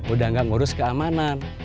udah nggak ngurus keamanan